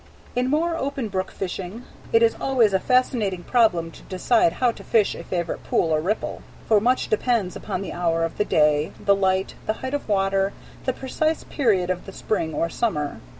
In more open brook fishing it is always a fascinating problem to decide how to fish a favorite pool or ripple, for much depends upon the hour of the day, the light, the height of water, the precise period of the spring or summer.